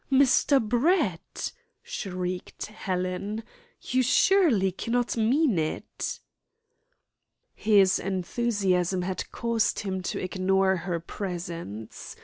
"Mr. Brett!" shrieked Helen, "you surely cannot mean it." His enthusiasm had caused him to ignore her presence.